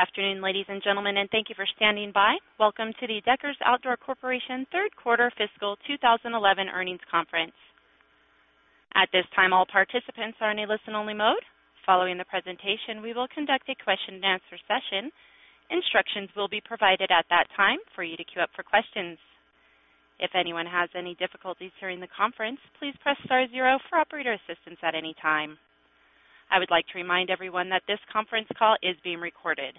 Afternoon, ladies and gentlemen, and thank you for standing by. Welcome to the Deckers Outdoor Corporation Third Quarter Fiscal 2011 Earnings Conference. At this time, all participants are in a listen-only mode. Following the presentation, we will conduct a question-and-answer session. Instructions will be provided at that time for you to queue up for questions. If anyone has any difficulties during the conference, please press star zero for operator assistance at any time. I would like to remind everyone that this conference call is being recorded.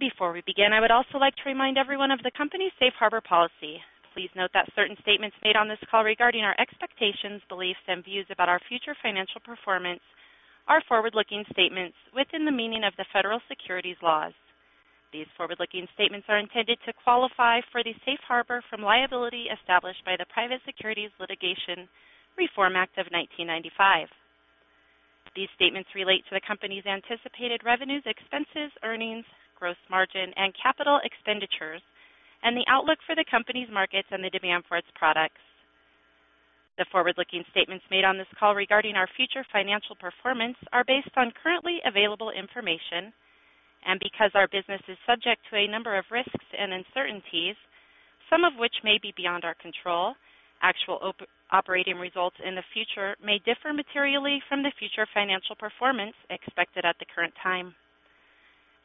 Before we begin, I would also like to remind everyone of the company's safe harbor policy. Please note that certain statements made on this call regarding our expectations, beliefs, and views about our future financial performance are forward-looking statements within the meaning of the federal securities laws. These forward-looking statements are intended to qualify for the safe harbor from liability established by the Private Securities Litigation Reform Act of 1995. These statements relate to the company's anticipated revenues, expenses, earnings, gross margin, and capital expenditures, and the outlook for the company's markets and the demand for its products. The forward-looking statements made on this call regarding our future financial performance are based on currently available information. Because our business is subject to a number of risks and uncertainties, some of which may be beyond our control, actual operating results in the future may differ materially from the future financial performance expected at the current time.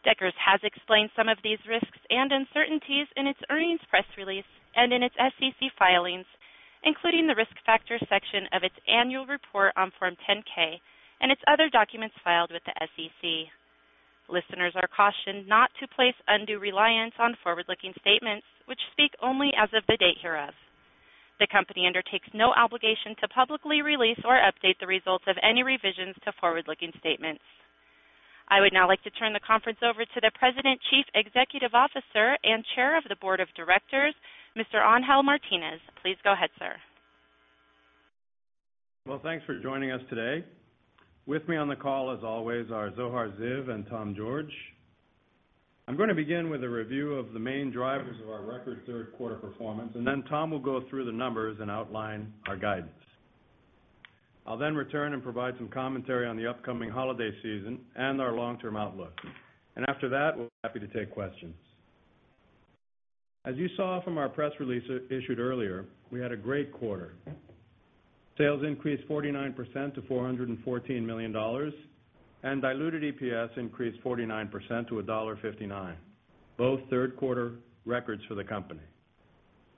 Deckers has explained some of these risks and uncertainties in its earnings press release and in its SEC filings, including the risk factor section of its annual report on Form 10-K and its other documents filed with the SEC. Listeners are cautioned not to place undue reliance on forward-looking statements, which speak only as of the date hereof. The company undertakes no obligation to publicly release or update the results of any revisions to forward-looking statements. I would now like to turn the conference over to the President, Chief Executive Officer, and Chair of the Board of Directors, Mr. Angel Martinez. Please go ahead, sir. Thank you for joining us today. With me on the call, as always, are Zohar Ziv and Tom George. I'm going to begin with a review of the main drivers of our record third-quarter performance, and then Tom will go through the numbers and outline our guidance. I'll then return and provide some commentary on the upcoming holiday season and our long-term outlook. After that, we'll be happy to take questions. As you saw from our press release issued earlier, we had a great quarter. Sales increased 49% to $414 million, and diluted EPS increased 49% to $1.59, both third-quarter records for the company.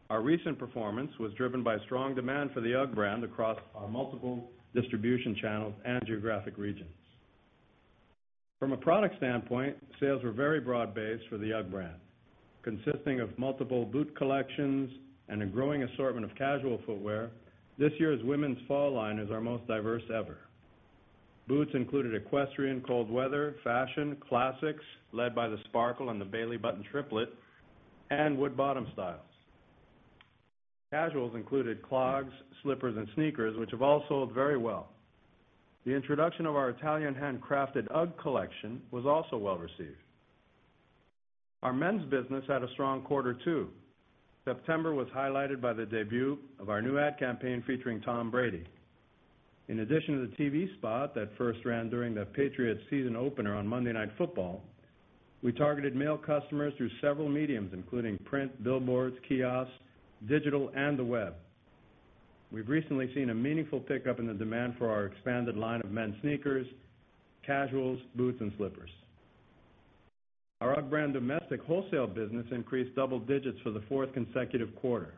Our recent performance was driven by strong demand for the UGG brand across multiple distribution channels and geographic regions. From a product standpoint, sales were very broad-based for the UGG brand, consisting of multiple boot collections and a growing assortment of casual footwear. This year's women's fall line is our most diverse ever. Boots included equestrian, cold weather, fashion, classics, led by the Sparkle and the Bailey Button Triplet, and wood bottom styles. Casuals included clogs, slippers, and sneakers, which have all sold very well. The introduction of our Italian handcrafted UGG collection was also well received. Our men's business had a strong quarter too. September was highlighted by the debut of our new ad campaign featuring Tom Brady. In addition to the TV spot that first ran during the Patriots season opener on Monday Night Football, we targeted male customers through several mediums, including print, billboards, kiosks, digital, and the web. We've recently seen a meaningful pickup in the demand for our expanded line of men's sneakers, casuals, boots, and slippers. Our brand domestic wholesale business increased double digits for the fourth consecutive quarter.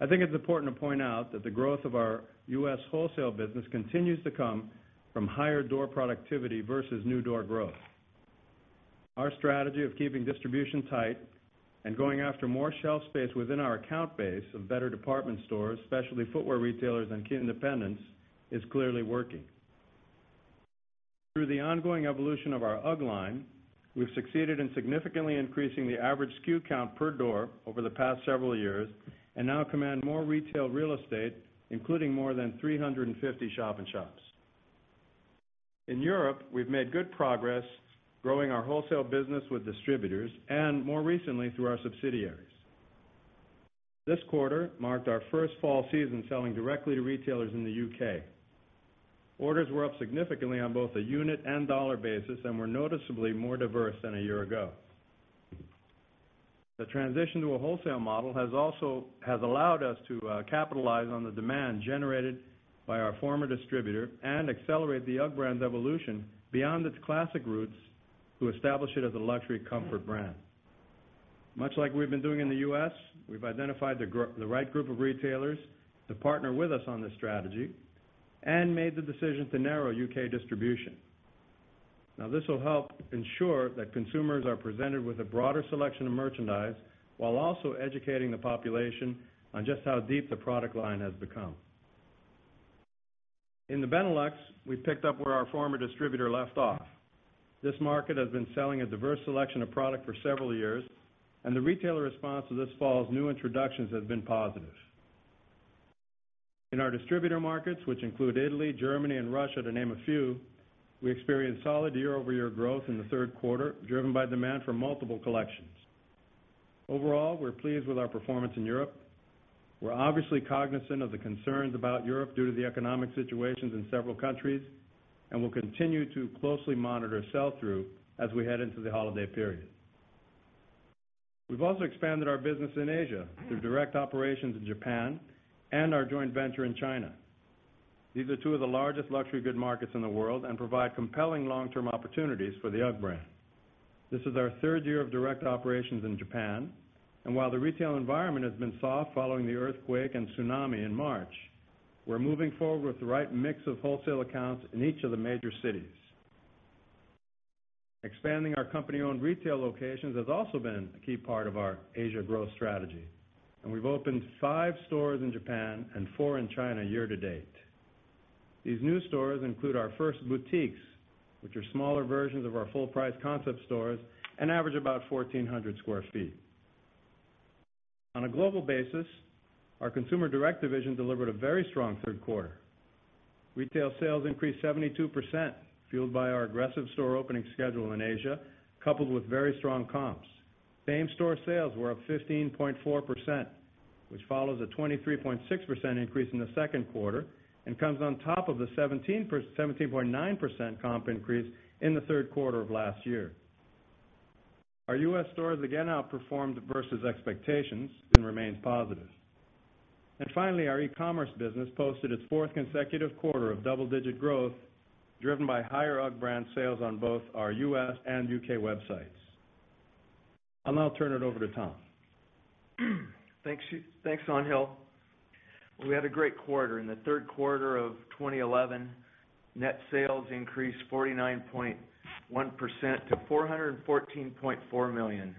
I think it's important to point out that the growth of our U.S. wholesale business continues to come from higher door productivity versus new door growth. Our strategy of keeping distribution tight and going after more shelf space within our account base of better department stores, especially footwear retailers and independents, is clearly working. Through the ongoing evolution of our UGG line, we've succeeded in significantly increasing the average SKU count per door over the past several years and now command more retail real estate, including more than 350 shop-in-shops. In Europe, we've made good progress growing our wholesale business with distributors and, more recently, through our subsidiaries. This quarter marked our first fall season selling directly to retailers in the UK. Orders were up significantly on both the unit and dollar basis and were noticeably more diverse than a year ago. The transition to a wholesale model has also allowed us to capitalize on the demand generated by our former distributor and accelerate the UGG brand's evolution beyond its classic roots to establish it as a luxury comfort brand. Much like we've been doing in the U.S. we've identified the right group of retailers to partner with us on this strategy and made the decision to narrow U.K. distribution. This will help ensure that consumers are presented with a broader selection of merchandise while also educating the population on just how deep the product line has become. In the Benelux, we picked up where our former distributor left off. This market has been selling a diverse selection of product for several years, and the retailer response to this fall's new introductions has been positive. In our distributor markets, which include Italy, Germany, and Russia, to name a few, we experienced solid year-over-year growth in the third quarter, driven by demand for multiple collections. Overall, we're pleased with our performance in Europe. We're obviously cognizant of the concerns about Europe due to the economic situations in several countries, and we'll continue to closely monitor sell-through as we head into the holiday period. We've also expanded our business in Asia through direct operations in Japan and our joint venture in China. These are two of the largest luxury good markets in the world and provide compelling long-term opportunities for the UGG brand. This is our third year of direct operations in Japan, and while the retail environment has been soft following the earthquake and tsunami in March, we're moving forward with the right mix of wholesale accounts in each of the major cities. Expanding our company-owned retail locations has also been a key part of our Asia growth strategy, and we've opened five stores in Japan and four in China year-to-date. These new stores include our first boutiques, which are smaller versions of our full-price concept stores and average about 1,400 sq ft. On a global basis, our consumer direct division delivered a very strong third quarter. Retail sales increased 72%, fueled by our aggressive store opening schedule in Asia, coupled with very strong comps. Same-store sales were up 15.4%, which follows a 23.6% increase in the second quarter and comes on top of the 17.9% comp increase in the third quarter of last year. Our U.S. stores again outperformed versus expectations and remained positive. Finally, our e-commerce business posted its fourth consecutive quarter of double-digit growth, driven by higher UGG brand sales on both our U.S. and U.K. websites. I'll now turn it over to Tom. Thanks, Angel. We had a great quarter. In the third quarter of 2011, net sales increased 49.1% to $414.4 million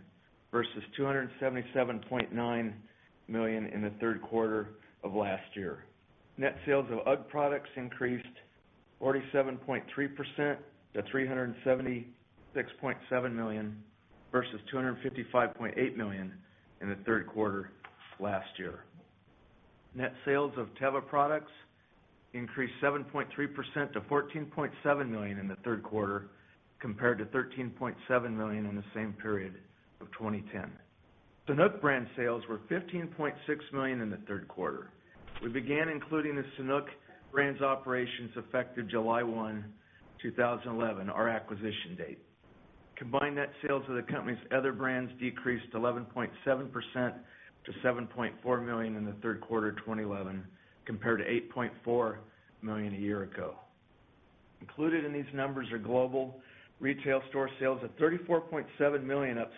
versus $277.9 million in the third quarter of last year. Net sales of UGG products increased 47.3% to $376.7 million versus $255.8 million in the third quarter last year. Net sales of Teva products increased 7.3% to $14.7 million in the third quarter, compared to $13.7 million in the same period of 2010. Sanuk brand sales were $15.6 million in the third quarter. We began including the Sanuk brand's operations effective July 1, 2011, our acquisition date. Combined net sales of the company's other brands decreased 11.7% to $7.4 million in the third quarter of 2011, compared to $8.4 million a year ago. Included in these numbers are global retail store sales of $34.7 million, up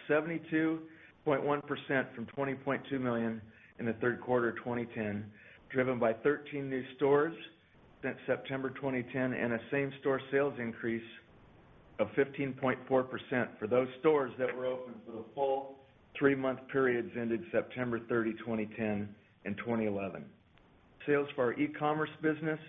72.1% from $20.2 million in the third quarter of 2010, driven by 13 new stores since September 2010 and a same-store sales increase of 15.4% for those stores that were open for the full three-month periods ended September 30, 2010, and 2011. Sales for our e-commerce business,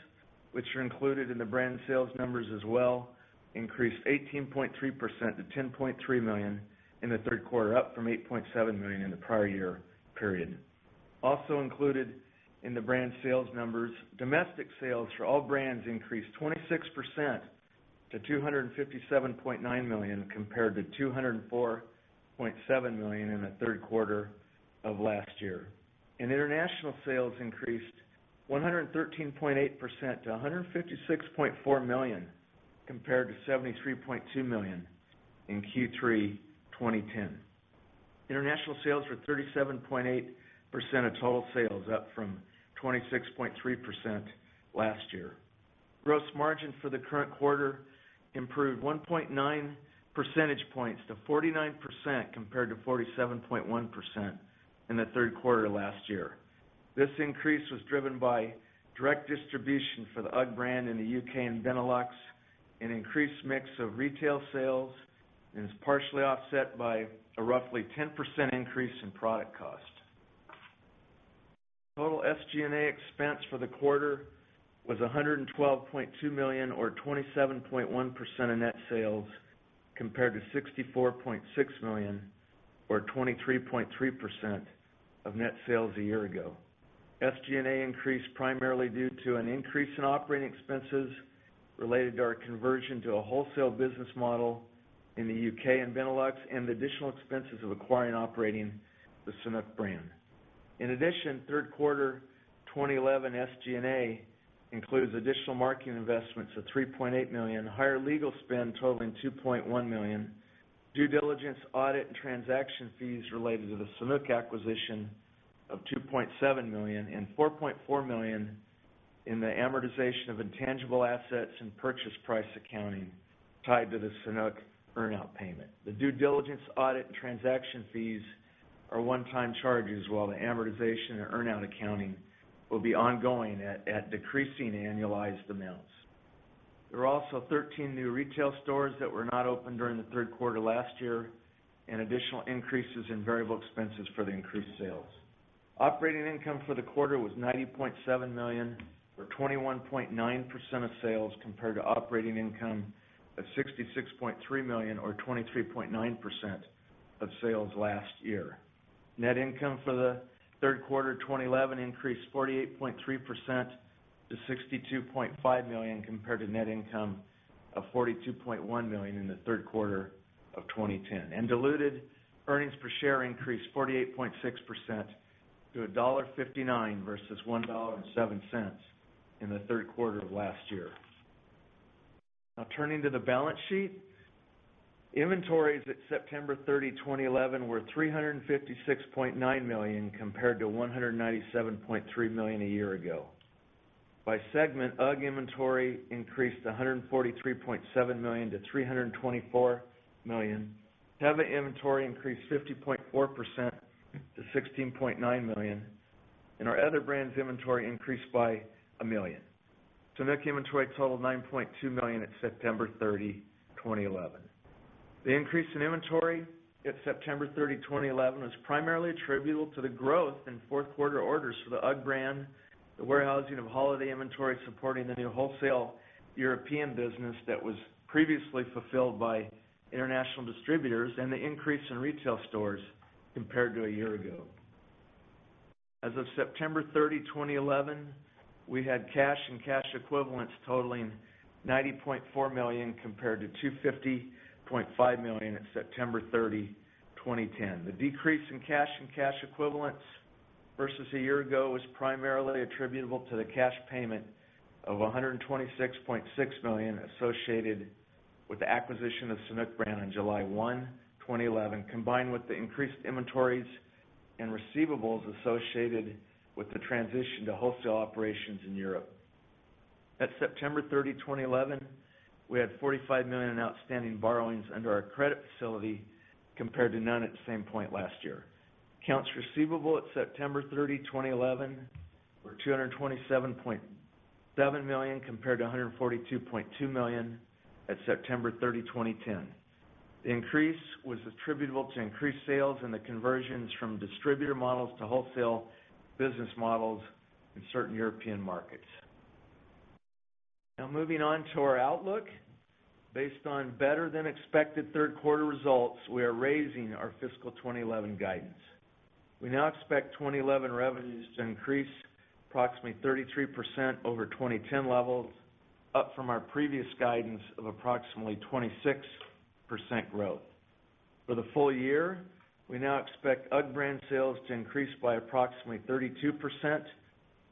which are included in the brand sales numbers as well, increased 18.3% to $10.3 million in the third quarter, up from $8.7 million in the prior year period. Also included in the brand sales numbers, domestic sales for all brands increased 26% to $257.9 million, compared to $204.7 million in the third quarter of last year. International sales increased 113.8% to $156.4 million, compared to $73.2 million in Q3 2010. International sales were 37.8% of total sales, up from 26.3% last year. Gross margin for the current quarter improved 1.9 percentage points to 49%, compared to 47.1% in the third quarter of last year. This increase was driven by direct distribution for the UGG brand in the U.K. and Benelux, an increased mix of retail sales, and is partially offset by a roughly 10% increase in product cost. Total SG&A expense for the quarter was $112.2 million, or 27.1% of net sales, compared to $64.6 million, or 23.3% of net sales a year ago. SG&A increased primarily due to an increase in operating expenses related to our conversion to a wholesale business model in the U.K. and Benelux and the additional expenses of acquiring and operating the Sanuk brand. In addition, third quarter 2011 SG&A includes additional marketing investments of $3.8 million, higher legal spend totaling $2.1 million, due diligence audit and transaction fees related to the Sanuk acquisition of $2.7 million, and $4.4 million in the amortization of intangible assets and purchase price accounting tied to the Sanuk earnout payment. The due diligence audit and transaction fees are one-time charges, while the amortization and earnout accounting will be ongoing at decreasing annualized amounts. There were also 13 new retail stores that were not open during the third quarter last year and additional increases in variable expenses for the increased sales. Operating income for the quarter was $90.7 million, or 21.9% of sales, compared to operating income of $66.3 million, or 23.9% of sales last year. Net income for the third quarter of 2011 increased 48.3% to $62.5 million, compared to net income of $42.1 million in the third quarter of 2010. Diluted earnings per share increased 48.6% to $1.59 versus $1.07 in the third quarter of last year. Now, turning to the balance sheet, inventories at September 30, 2011, were $356.9 million, compared to $197.3 million a year ago. By segment, UGG inventory increased $143.7 million to $324 million. Teva inventory increased 50.4% to $16.9 million, and our other brands' inventory increased by $1 million. Sanuk inventory totaled $9.2 million at September 30, 2011. The increase in inventory at September 30, 2011, was primarily attributable to the growth in fourth-quarter orders for the UGG brand, the warehousing of holiday inventory supporting the new wholesale European business that was previously fulfilled by international distributors, and the increase in retail stores compared to a year ago. As of September 30, 2011, we had cash and cash equivalents totaling $90.4 million compared to $250.5 million at September 30, 2010. The decrease in cash and cash equivalents versus a year ago was primarily attributable to the cash payment of $126.6 million associated with the acquisition of the Sanuk brand on July 1, 2011, combined with the increased inventories and receivables associated with the transition to wholesale operations in Europe. At September 30, 2011, we had $45 million in outstanding borrowings under our credit facility, compared to none at the same point last year. Accounts receivable at September 30, 2011, were $227.7 million compared to $142.2 million at September 30, 2010. The increase was attributable to increased sales and the conversions from distributor models to wholesale business models in certain European markets. Now, moving on to our outlook, based on better-than-expected third-quarter results, we are raising our fiscal 2011 guidance. We now expect 2011 revenues to increase approximately 33% over 2010 levels, up from our previous guidance of approximately 26% growth. For the full year, we now expect UGG brand sales to increase by approximately 32%,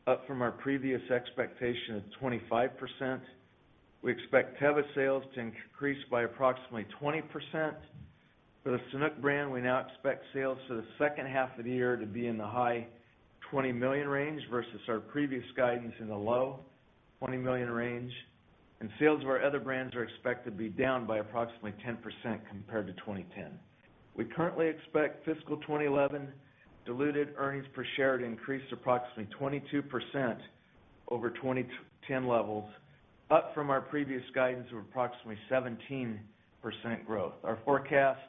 up from our previous expectation of 25%. We expect Teva sales to increase by approximately 20%. For the Sanuk brand, we now expect sales for the second half of the year to be in the high $20 million range versus our previous guidance in the low $20 million range, and sales of our other brands are expected to be down by approximately 10% compared to 2010. We currently expect fiscal 2011 diluted EPS to increase approximately 22% over 2010 levels, up from our previous guidance of approximately 17% growth. Our forecast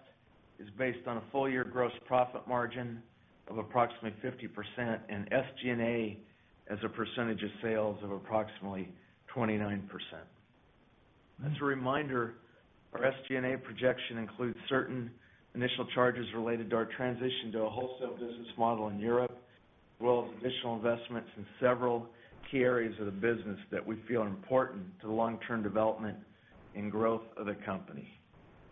is based on a full-year gross profit margin of approximately 50% and SG&A as a percentage of sales of approximately 29%. As a reminder, our SG&A projection includes certain initial charges related to our transition to a wholesale business model in Europe, as well as additional investments in several key areas of the business that we feel are important to the long-term development and growth of the company.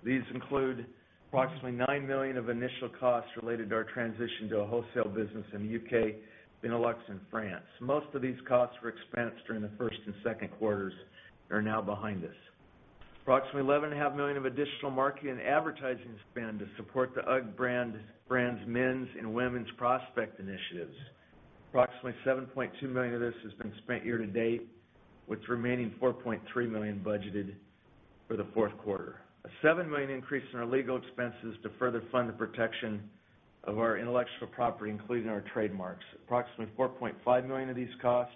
These include approximately $9 million of initial costs related to our transition to a wholesale business in the U.K., Benelux, and France. Most of these costs were expensed during the first and second quarters and are now behind us. Approximately $11.5 million of additional marketing and advertising spend to support the UGG brand's men's and women's prospect initiatives. Approximately $7.2 million of this has been spent year to date, with the remaining $4.3 million budgeted for the fourth quarter. A $7 million increase in our legal expenses to further fund the protection of our intellectual property, including our trademarks. Approximately $4.5 million of these costs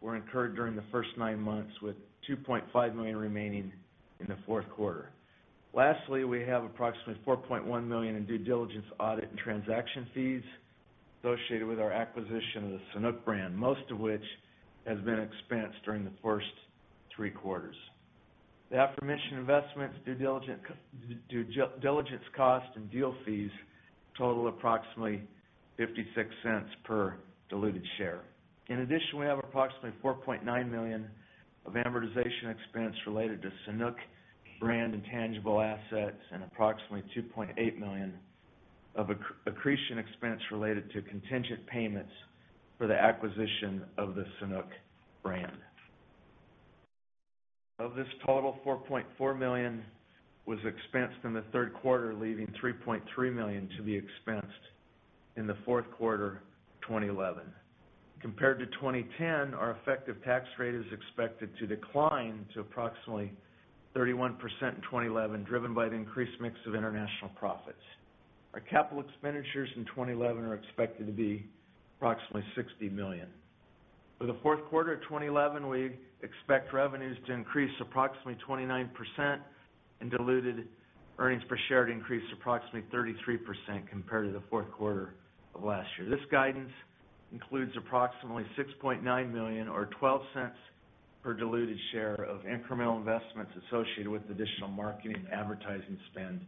were incurred during the first nine months, with $2.5 million remaining in the fourth quarter. Lastly, we have approximately $4.1 million in due diligence audit and transaction fees associated with our acquisition of the Sanuk brand, most of which has been expensed during the first three quarters. The aforementioned investments, due diligence costs, and deal fees total approximately $0.56 per diluted share. In addition, we have approximately $4.9 million of amortization expense related to Sanuk brand intangible assets and approximately $2.8 million of accretion expense related to contingent payments for the acquisition of the Sanuk brand. Of this total, $4.4 million was expensed in the third quarter, leaving $3.3 million to be expensed in the fourth quarter of 2011. Compared to 2010, our effective tax rate is expected to decline to approximately 31% in 2011, driven by an increased mix of international profits. Our capital expenditures in 2011 are expected to be approximately $60 million. For the fourth quarter of 2011, we expect revenues to increase approximately 29% and diluted earnings per share to increase approximately 33% compared to the fourth quarter of last year. This guidance includes approximately $6.9 million or $0.12 per diluted share of incremental investments associated with additional marketing and advertising spend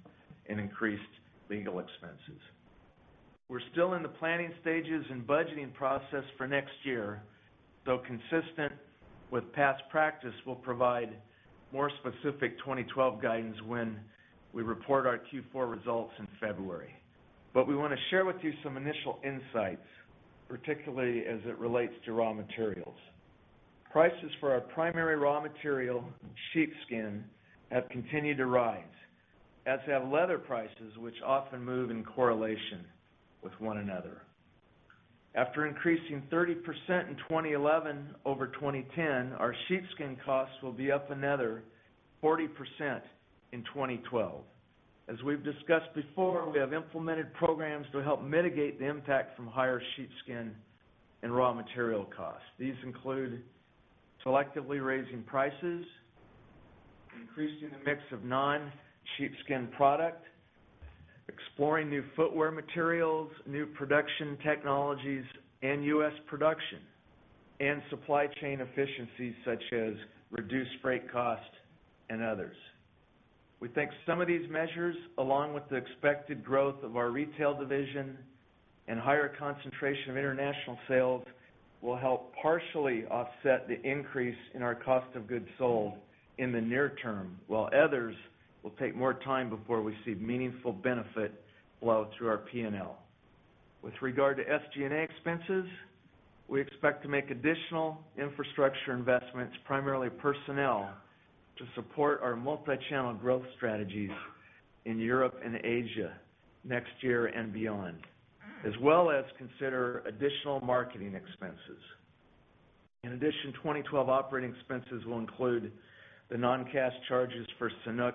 and increased legal expenses. We're still in the planning stages and budgeting process for next year. Though consistent with past practice, we'll provide more specific 2012 guidance when we report our Q4 results in February. We want to share with you some initial insights, particularly as it relates to raw materials. Prices for our primary raw material, sheepskin, have continued to rise, as have leather prices, which often move in correlation with one another. After increasing 30% in 2011 over 2010, our sheepskin costs will be up another 40% in 2012. As we've discussed before, we have implemented programs to help mitigate the impact from higher sheepskin and raw material costs. These include selectively raising prices, increasing the mix of non-sheepskin product, exploring new footwear materials, new production technologies in U.S. production, and supply chain efficiencies such as reduced freight costs and others. We think some of these measures, along with the expected growth of our retail division and higher concentration of international sales, will help partially offset the increase in our cost of goods sold in the near term, while others will take more time before we see meaningful benefit flow through our P&L. With regard to SG&A expenses, we expect to make additional infrastructure investments, primarily personnel, to support our multichannel growth strategies in Europe and Asia next year and beyond, as well as consider additional marketing expenses. In addition, 2012 operating expenses will include the non-cash charges for Sanuk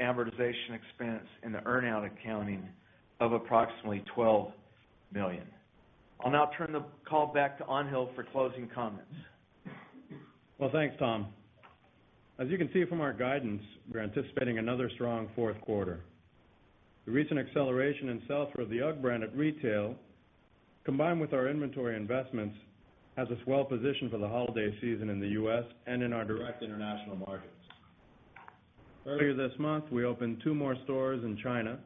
amortization expense and the earnout accounting of approximately $12 million. I'll now turn the call back to Angel for closing comments. Thanks, Tom. As you can see from our guidance, we're anticipating another strong fourth quarter. The recent acceleration in sales for the UGG brand at retail, combined with our inventory investments, has us well positioned for the holiday season in the U.S. and in our direct international markets. Earlier this month, we opened two more stores in China,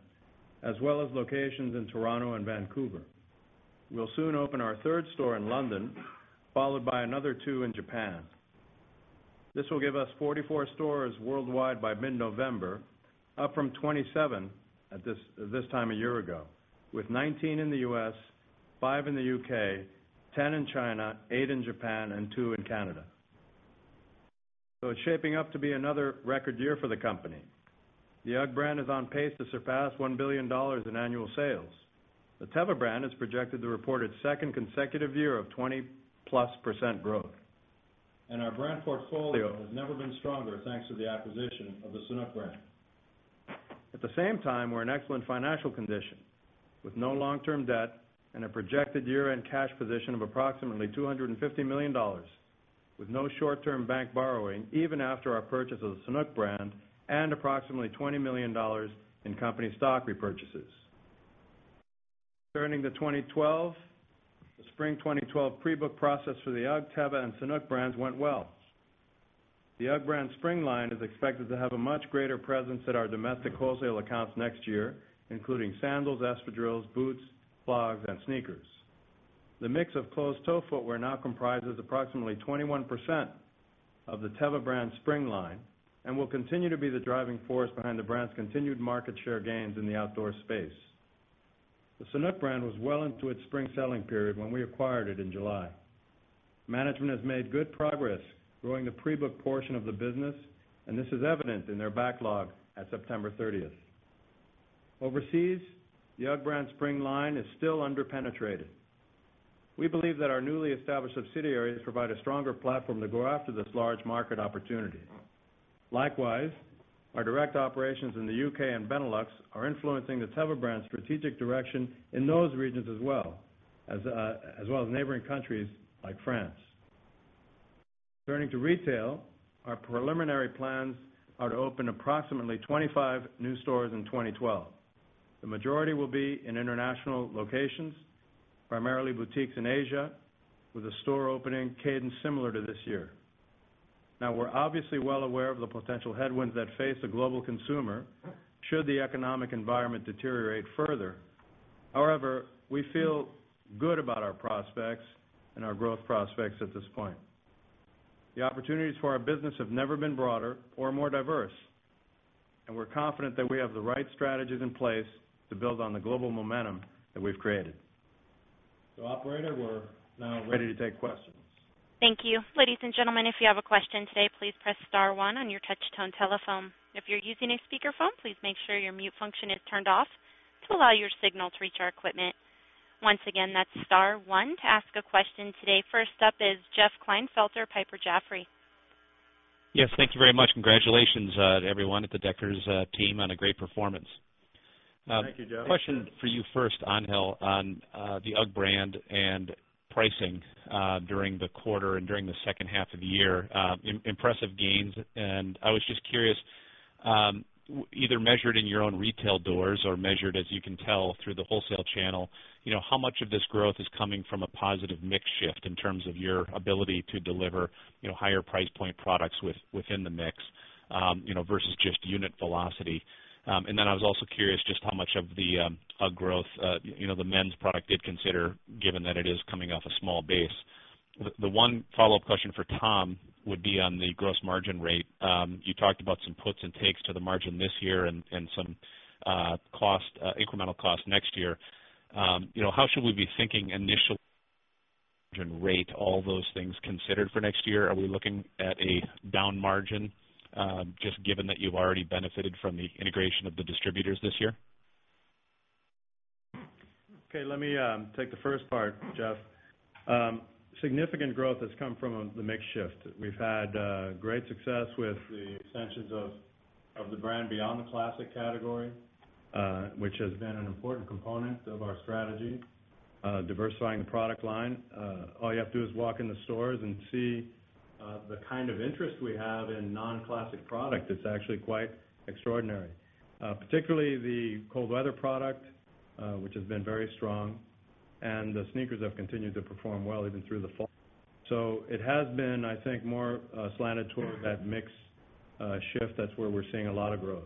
as well as locations in Toronto and Vancouver. We'll soon open our third store in London, followed by another two in Japan. This will give us 44 stores worldwide by mid-November, up from 27 at this time a year ago, with 19 in the U.S., 5 in the U.K., 10 in China, 8 in Japan, and 2 in Canada. It's shaping up to be another record year for the company. The UGG brand is on pace to surpass $1 billion in annual sales. The Teva brand is projected to report its second consecutive year of 20+% growth. Our brand portfolio has never been stronger thanks to the acquisition of the Sanuk brand. At the same time, we're in excellent financial condition, with no long-term debt and a projected year-end cash position of approximately $250 million, with no short-term bank borrowing even after our purchase of the Sanuk brand and approximately $20 million in company stock repurchases. Turning to 2012, the spring 2012 pre-book process for the UGG, Teva, and Sanuk brands went well. The UGG brand spring line is expected to have a much greater presence at our domestic wholesale accounts next year, including sandals, espadrilles, boots, clogs, and sneakers. The mix of closed-toe footwear now comprises approximately 21% of the Teva brand spring line and will continue to be the driving force behind the brand's continued market share gains in the outdoor space. The Sanuk brand was well into its spring selling period when we acquired it in July. Management has made good progress growing the pre-book portion of the business, and this is evident in their backlog at September 30. Overseas, the UGG brand spring line is still underpenetrated. We believe that our newly established subsidiaries provide a stronger platform to go after this large market opportunity. Likewise, our direct operations in the U.K. and Benelux are influencing the Teva brand's strategic direction in those regions as well, as well as neighboring countries like France. Turning to retail, our preliminary plans are to open approximately 25 new stores in 2012. The majority will be in international locations, primarily boutiques in Asia, with a store opening cadence similar to this year. We're obviously well aware of the potential headwinds that face the global consumer should the economic environment deteriorate further. However, we feel good about our prospects and our growth prospects at this point. The opportunities for our business have never been broader or more diverse, and we're confident that we have the right strategies in place to build on the global momentum that we've created. Operator, we're now ready to take questions. Thank you. Ladies and gentlemen, if you have a question today, please press star one on your touch-tone telephone. If you're using a speakerphone, please make sure your mute function is turned off to allow your signal to reach our equipment. Once again, that's star one to ask a question today. First up is Jeff Klinefelter, Piper Jaffray. Yes, thank you very much. Congratulations to everyone at the Deckers team on a great performance. Thank you, Jeff. A question for you first, Angel, on the UGG brand and pricing during the quarter and during the second half of the year, impressive gains. I was just curious, either measured in your own retail doors or measured, as you can tell, through the wholesale channel, how much of this growth is coming from a positive mix shift in terms of your ability to deliver higher price point products within the mix versus just unit velocity? I was also curious just how much of the growth the men's product did consider, given that it is coming off a small base. The one follow-up question for Tom would be on the gross margin rate. You talked about some puts and takes to the margin this year and some incremental costs next year. How should we be thinking initially? Margin rate, all those things considered for next year, are we looking at a down margin just given that you've already benefited from the integration of the distributors this year? Okay, let me take the first part, Jeff. Significant growth has come from the mix shift. We've had great success with the extensions of the brand beyond the classic category, which has been an important component of our strategy, diversifying the product line. All you have to do is walk in the stores and see the kind of interest we have in non-classic product. It's actually quite extraordinary, particularly the cold weather product, which has been very strong, and the sneakers have continued to perform well even through the fall. It has been, I think, more slanted toward that mix shift. That's where we're seeing a lot of growth.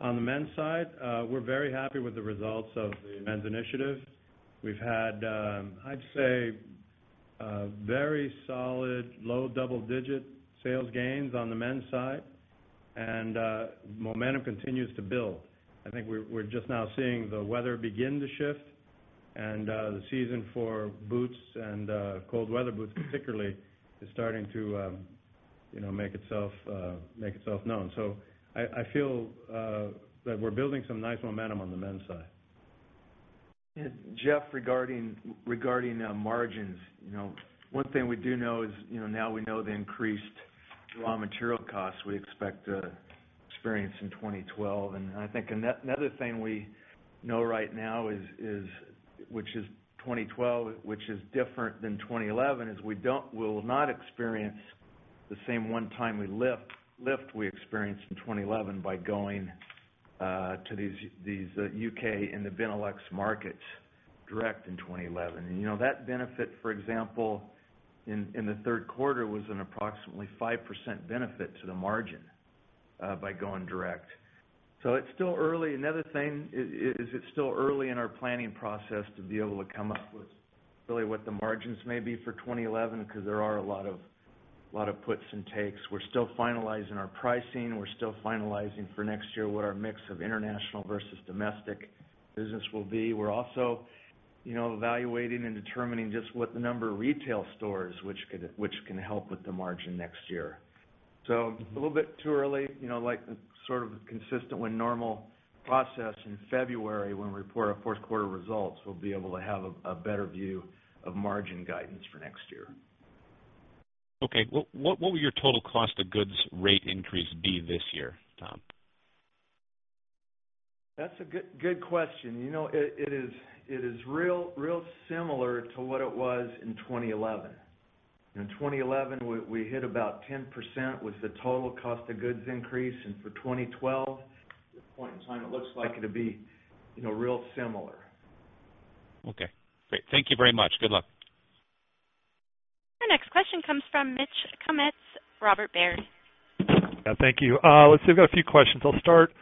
On the men's side, we're very happy with the results of the men's initiative. We've had, I'd say, very solid low double-digit sales gains on the men's side, and momentum continues to build. I think we're just now seeing the weather begin to shift, and the season for boots and cold weather boots, particularly, is starting to make itself known. I feel that we're building some nice momentum on the men's side. Jeff, regarding margins, one thing we do know is now we know the increased raw material costs we expect to experience in 2012. Another thing we know right now, which is 2012, which is different than 2011, is we will not experience the same one-time lift we experienced in 2011 by going to these U.K. and the Benelux markets direct in 2011. That benefit, for example, in the third quarter was an approximately 5% benefit to the margin by going direct. It's still early. Another thing is it's still early in our planning process to be able to come up with really what the margins may be for 2011 because there are a lot of puts and takes. We're still finalizing our pricing. We're still finalizing for next year what our mix of international versus domestic business will be. We're also evaluating and determining just what the number of retail stores which can help with the margin next year. It's a little bit too early, like sort of consistent with normal process in February when we report our fourth quarter results, we'll be able to have a better view of margin guidance for next year. Okay, what will your total cost of goods rate increase be this year, Tom? That's a good question. You know, it is real similar to what it was in 2011. In 2011, we hit about 10% with the total cost of goods increase, and for 2012, at this point in time, it looks like it'll be real similar. Okay, great. Thank you very much. Good luck. Our next question comes from Mitch Kummetz, Robert Baird. Yeah, thank you. Let's say we've got a few questions. I'll start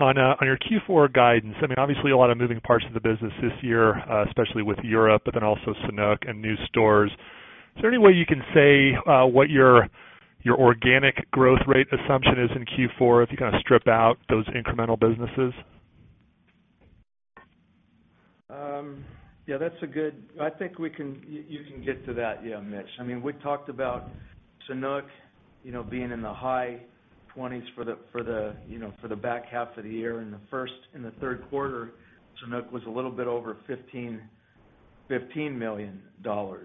on your Q4 guidance. I mean, obviously, a lot of moving parts of the business this year, especially with Europe, but then also Sanuk and new stores. Is there any way you can say what your organic growth rate assumption is in Q4 if you kind of strip out those incremental businesses? Yeah, that's a good, I think we can, you can get to that, yeah, Mitch. I mean, we talked about Sanuk being in the high 20s for the back half of the year. In the third quarter, Sanuk was a little bit over $15 million of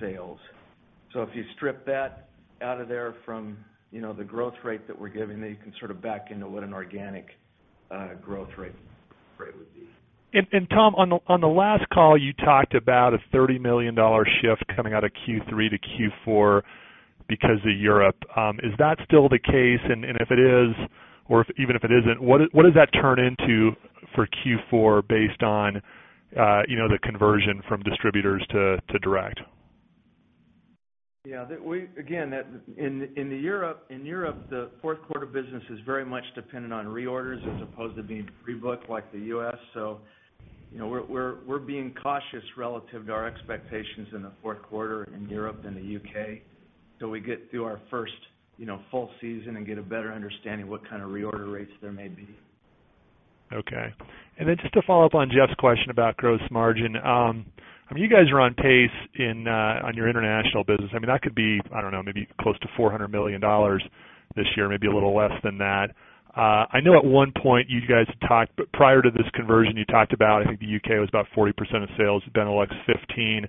sales. If you strip that out of there from the growth rate that we're giving, then you can sort of back into what an organic growth rate would be. Tom, on the last call, you talked about a $30 million shift coming out of Q3 to Q4 because of Europe. Is that still the case? If it is, or even if it isn't, what does that turn into for Q4 based on the conversion from distributors to direct? Yeah, again, in Europe, the fourth quarter business is very much dependent on reorders as opposed to being pre-booked like the U.S. We're being cautious relative to our expectations in the fourth quarter in Europe and the U.K. until we get through our first full season and get a better understanding of what kind of reorder rates there may be. Okay. Just to follow up on Jeff's question about gross margin, you guys are on pace on your international business. That could be, I don't know, maybe close to $400 million this year, maybe a little less than that. I know at one point you guys talked, prior to this conversion, you talked about, I think the U.K. was about 40% of sales, Benelux 15%.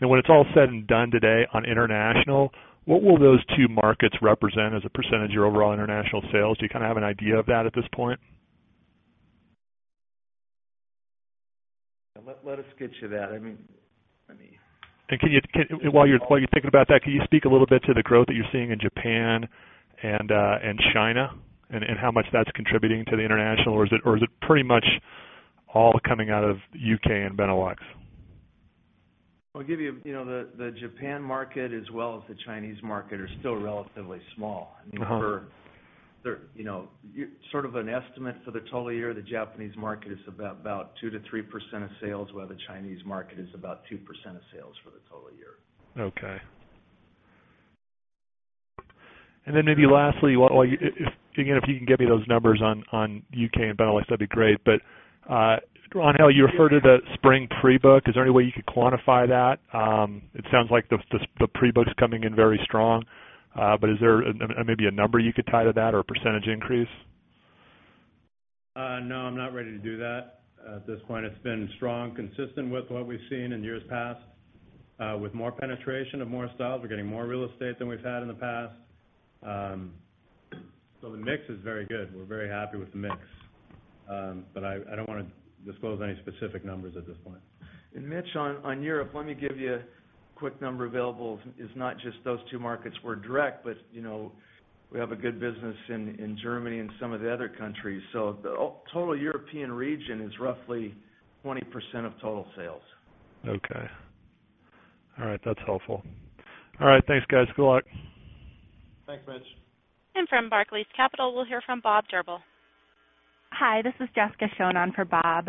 When it's all said and done today on international, what will those two markets represent as a percentage of your overall international sales? Do you kind of have an idea of that at this point? Let me get you that. While you're thinking about that, can you speak a little bit to the growth that you're seeing in Japan and China and how much that's contributing to the international, or is it pretty much all coming out of the U.K. and Benelux? I'll give you, you know, the Japan market as well as the China market are still relatively small. You know, sort of an estimate for the total year, the Japan market is about 2%-3% of sales, while the China market is about 2% of sales for the total year. Okay. If you can get me those numbers on the U.K. and Benelux, that'd be great. Angel, you referred to the spring pre-book. Is there any way you could quantify that? It sounds like the pre-book's coming in very strong. Is there maybe a number you could tie to that or a percentage increase? No, I'm not ready to do that at this point. It's been strong, consistent with what we've seen in years past, with more penetration of more stalls. We're getting more real estate than we've had in the past. The mix is very good. We're very happy with the mix. I don't want to disclose any specific numbers at this point. Mitch, on Europe, let me give you a quick number available. It's not just those two markets we're direct, but you know we have a good business in Germany and some of the other countries. The total European region is roughly 20% of total sales. Okay. All right, that's helpful. All right, thanks, guys. Good luck. Thanks, Mitch. From Barclays Capital, we'll hear from Bob Drbul. Hi, this is Jessica Samon for Bob.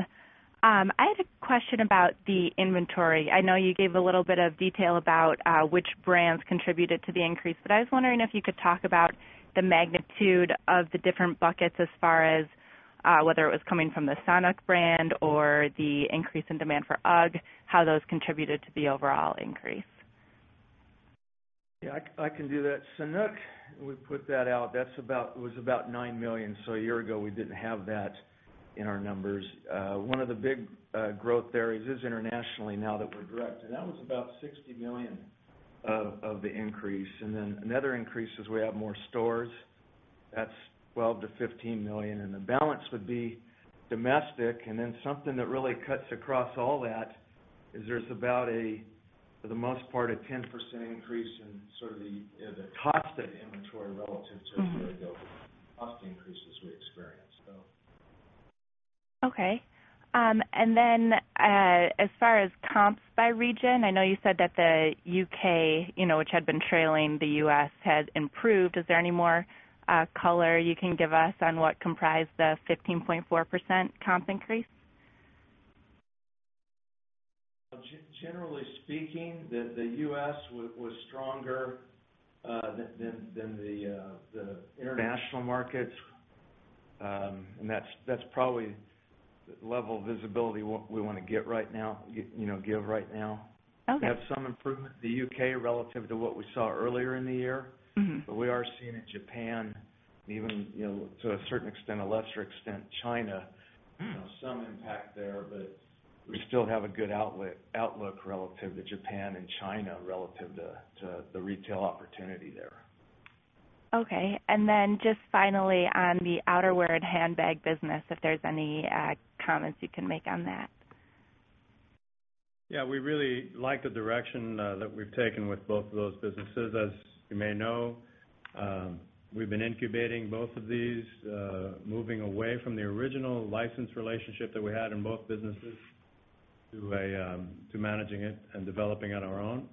I had a question about the inventory. I know you gave a little bit of detail about which brands contributed to the increase, but I was wondering if you could talk about the magnitude of the different buckets as far as whether it was coming from the Sanuk brand or the increase in demand for UGG, how those contributed to the overall increase. Yeah, I can do that. Sanuk, we put that out. That's about $9 million. A year ago, we didn't have that in our numbers. One of the big growth areas is internationally now that we're direct, and that was about $60 million of the increase. Another increase is we have more stores. That's $12 million-$15 million. The balance would be domestic. Something that really cuts across all that is there's about a, for the most part, a 10% increase in sort of the cost of inventory relative to the cost increases we experience. Okay. As far as comps by region, I know you said that the U.K., which had been trailing the U.S., had improved. Is there any more color you can give us on what comprised the 15.4% comp increase? Generally speaking, the U.S. was stronger than the international markets. That's probably the level of visibility we want to give right now. We have some improvement in the U.K. relative to what we saw earlier in the year. We are seeing in Japan, and even, to a lesser extent, China, some impact there. We still have a good outlook relative to Japan and China relative to the retail opportunity there. Okay. Finally, on the outerwear and handbag business, if there's any comments you can make on that. Yeah, we really like the direction that we've taken with both of those businesses. As you may know, we've been incubating both of these, moving away from the original license relationship that we had in both businesses to managing it and developing on our own.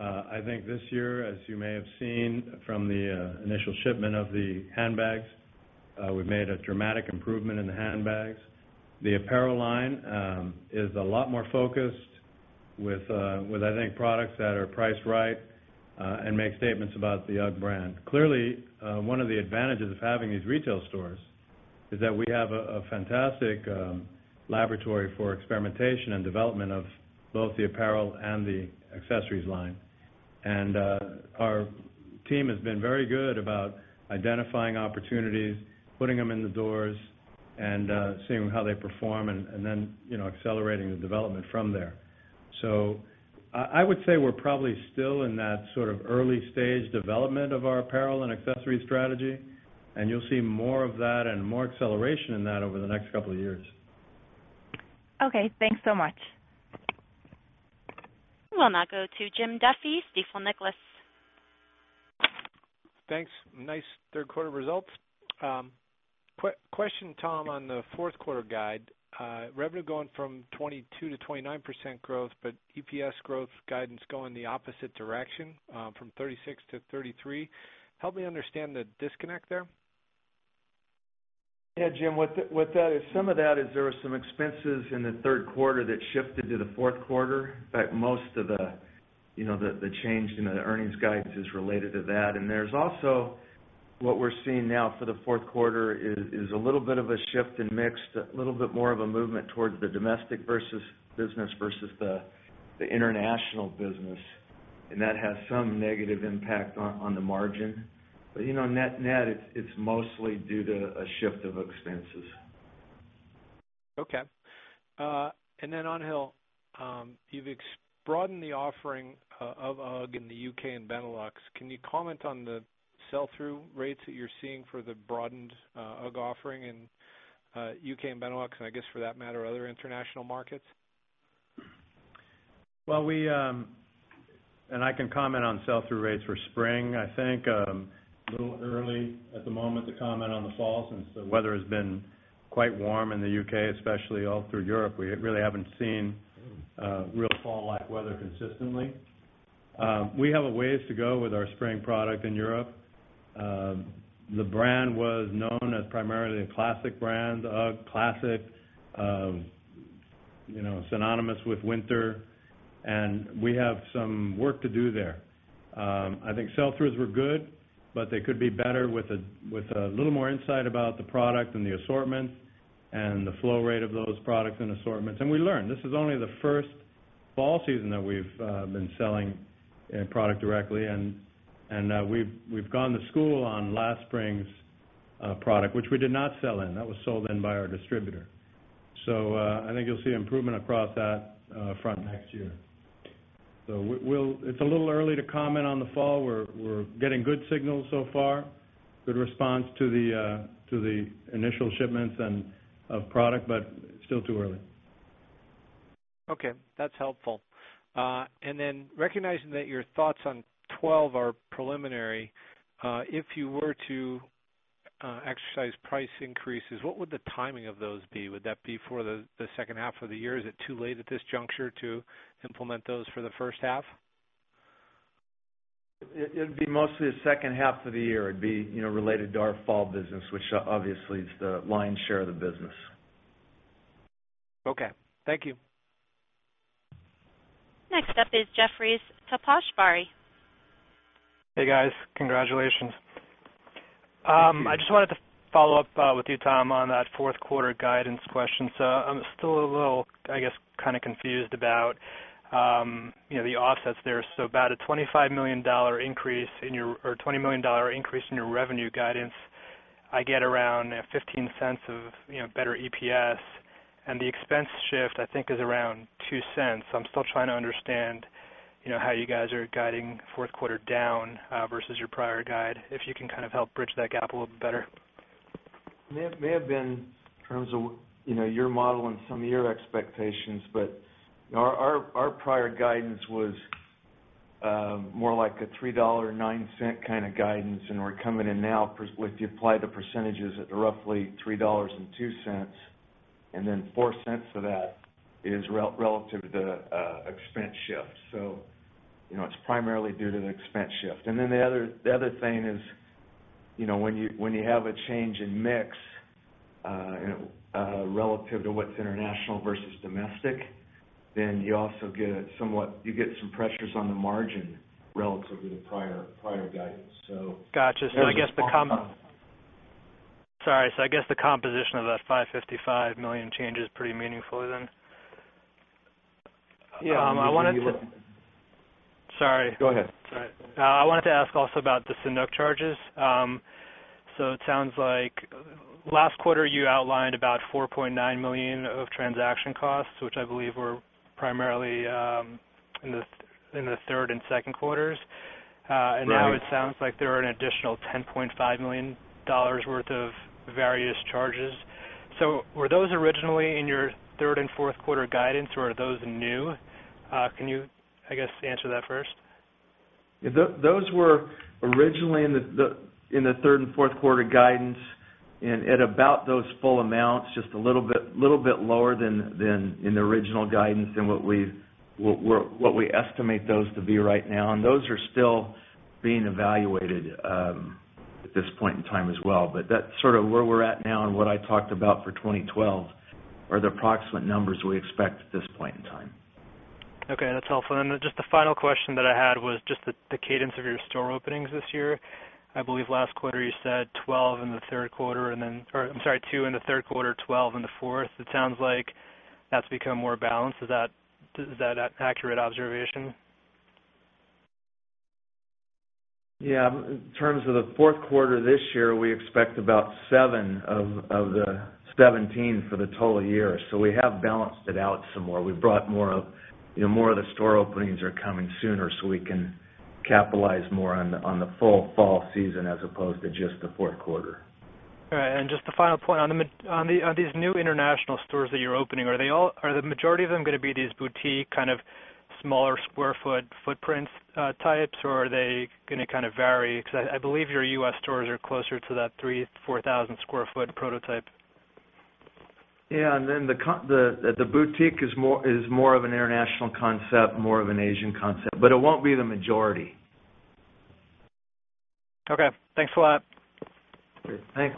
I think this year, as you may have seen from the initial shipment of the handbags, we've made a dramatic improvement in the handbags. The apparel line is a lot more focused with, I think, products that are priced right and make statements about the UGG brand. Clearly, one of the advantages of having these retail stores is that we have a fantastic laboratory for experimentation and development of both the apparel and the accessories line. Our team has been very good about identifying opportunities, putting them in the doors, and seeing how they perform, and then accelerating the development from there. I would say we're probably still in that sort of early-stage development of our apparel and accessories strategy. You'll see more of that and more acceleration in that over the next couple of years. Okay, thanks so much. We'll now go to Jim Duffy, Stifel Financial. Thanks. Nice third-quarter results. Question, Tom, on the fourth-quarter guide. Revenue going from 22% to 29% growth, but EPS growth guidance going the opposite direction from 36% to 33%. Help me understand the disconnect there. Yeah, Jim, some of that is there were some expenses in the third quarter that shifted to the fourth quarter, but most of the change in the earnings guidance is related to that. There's also what we're seeing now for the fourth quarter is a little bit of a shift in mix, a little bit more of a movement towards the domestic business versus the international business. That has some negative impact on the margin. Net-net, it's mostly due to a shift of expenses. Okay. Angel, you've broadened the offering of UGG in the U.K. and Benelux. Can you comment on the sell-through rates that you're seeing for the broadened UGG offering in the U.K. and Benelux, and I guess for that matter, other international markets? I can comment on sell-through rates for spring, I think. It's a little early at the moment to comment on the fall since the weather has been quite warm in the U.K., especially all through Europe. We really haven't seen real fall-like weather consistently. We have a ways to go with our spring product in Europe. The brand was known as primarily a classic brand, UGG Classic, you know, synonymous with winter. We have some work to do there. I think sell-throughs were good, but they could be better with a little more insight about the product and the assortment and the flow rate of those products and assortments. We learned this is only the first fall season that we've been selling product directly. We've gone to school on last spring's product, which we did not sell in. That was sold in by our distributor. I think you'll see improvement across that front next year. It's a little early to comment on the fall. We're getting good signals so far, good response to the initial shipments of product, but still too early. Okay, that's helpful. Recognizing that your thoughts on 2024 are preliminary, if you were to exercise price increases, what would the timing of those be? Would that be for the second half of the year? Is it too late at this juncture to implement those for the first half? It'd be mostly the second half of the year. It'd be related to our fall business, which obviously is the lion's share of the business. Okay, thank you. Next up is Jefferies, Taposh Bari. Hey guys, congratulations. I just wanted to follow up with you, Tom, on that fourth quarter guidance question. I'm still a little, I guess, kind of confused about the offsets there. About a $25 million increase in your, or a $20 million increase in your revenue guidance, I get around $0.15 of better EPS. The expense shift, I think, is around $0.02. I'm still trying to understand how you guys are guiding fourth quarter down versus your prior guide, if you can kind of help bridge that gap a little bit better. It may have been in terms of your model and some of your expectations, but our prior guidance was more like a $3.09 kind of guidance. We're coming in now with the applied percentages at roughly $3.02, and $0.04 of that is relative to the expense shift. You know it's primarily due to the expense shift. When you have a change in mix relative to what's international versus domestic, you also get some pressures on the margin relative to the prior guidance. Gotcha. I guess the composition of that $555 million changes pretty meaningfully then. Yeah. Sorry. Go ahead. Sorry. I wanted to ask also about the Sanuk charges. It sounds like last quarter you outlined about $4.9 million of transaction costs, which I believe were primarily in the third and second quarters. It now sounds like there are an additional $10.5 million worth of various charges. Were those originally in your third and fourth quarter guidance, or are those new? Can you answer that first? Those were originally in the third and fourth quarter guidance at about those full amounts, just a little bit lower than in the original guidance than what we estimate those to be right now. Those are still being evaluated at this point in time as well. That's sort of where we're at now and what I talked about for 2012 are the approximate numbers we expect at this point in time. Okay, that's helpful. The final question that I had was just the cadence of your store openings this year. I believe last quarter you said 12 in the third quarter, or I'm sorry, two in the third quarter, 12 in the fourth. It sounds like that's become more balanced. Is that an accurate observation? In terms of the fourth quarter this year, we expect about seven of the 17 for the total year. We have balanced it out some more. We've brought more of the store openings are coming sooner so we can capitalize more on the full fall season as opposed to just the fourth quarter. All right. Just the final point on these new international stores that you're opening, are the majority of them going to be these boutique kind of smaller square foot footprints types, or are they going to kind of vary? I believe your U.S. stores are closer to that 3,000 sq ft, 4,000 sq ft prototype. Yeah, the boutique is more of an international concept, more of an Asian concept, but it won't be the majority. Okay, thanks a lot. Thanks.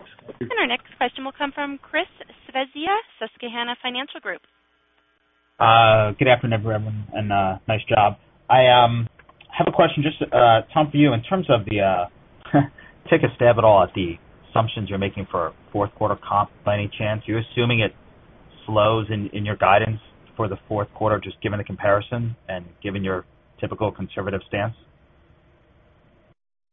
Our next question will come from Chris Svezia, Susquehanna Financial Group. Good afternoon, everyone, and nice job. I have a question just, Tom, for you. In terms of the assumptions you're making for fourth quarter comp by any chance, you're assuming it slows in your guidance for the fourth quarter, just given the comparison and given your typical conservative stance?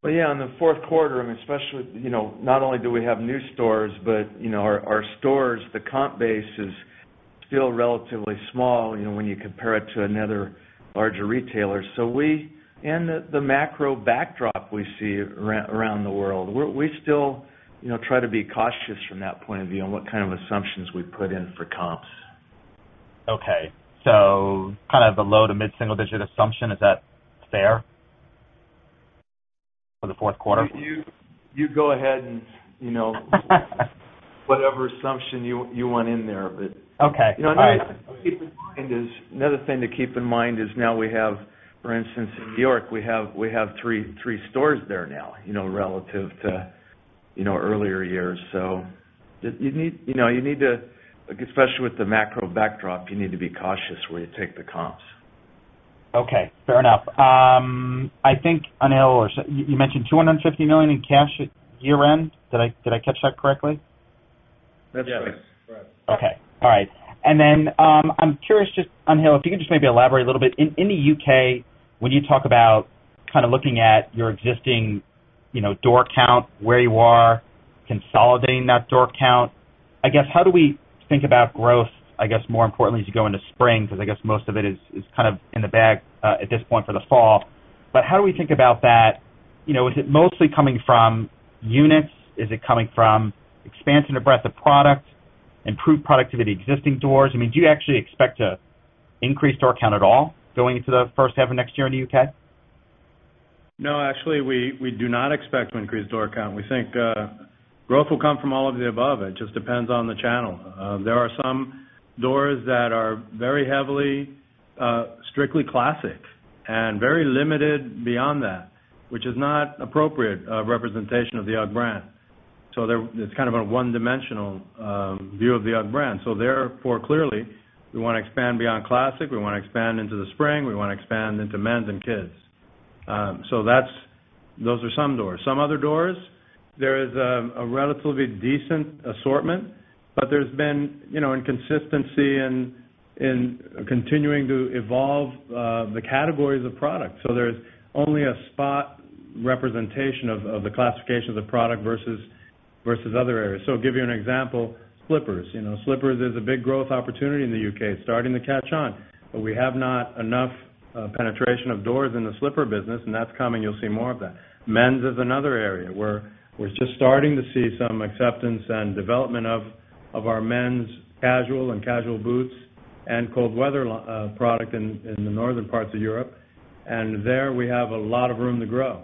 On the fourth quarter, and especially, you know, not only do we have new stores, but you know our stores, the comp base is still relatively small, you know, when you compare it to another larger retailer. We, and the macro backdrop we see around the world, we still, you know, try to be cautious from that point of view and what kind of assumptions we put in for comps. Okay, kind of a low to mid-single-digit assumption. Is that fair for the fourth quarter? You go ahead and, you know, whatever assumption you want in there. Okay, all right. Another thing to keep in mind is now we have, for instance, in New York, we have three stores there now, relative to earlier years. You need to, especially with the macro backdrop, be cautious where you take the comps. Okay, fair enough. I think, Angel, you mentioned $250 million in cash at year-end. Did I catch that correctly? That's right. Okay, all right. I'm curious, just, Angel, if you could maybe elaborate a little bit. In the U.K., when you talk about kind of looking at your existing door count, where you are, consolidating that door count, how do we think about growth, more importantly as you go into spring? I guess most of it is kind of in the bag at this point for the fall. How do we think about that? Is it mostly coming from units? Is it coming from expansion or breadth of product, improved productivity, existing doors? Do you actually expect to increase door count at all going into the first half of next year in the U.K.? No, actually, we do not expect to increase door count. We think growth will come from all of the above. It just depends on the channel. There are some doors that are very heavily strictly classic and very limited beyond that, which is not an appropriate representation of the UGG brand. It's kind of a one-dimensional view of the UGG brand. Therefore, clearly, we want to expand beyond classic. We want to expand into the spring. We want to expand into men's and kids. Those are some doors. Some other doors, there is a relatively decent assortment, but there's been inconsistency in continuing to evolve the categories of product. There's only a spot representation of the classification of the product versus other areas. I'll give you an example, slippers. Slippers is a big growth opportunity in the U.K. It's starting to catch on, but we have not enough penetration of doors in the slipper business, and that's coming. You'll see more of that. Men's is another area. We're just starting to see some acceptance and development of our men's casual and casual boots and cold weather product in the northern parts of Europe. There we have a lot of room to grow.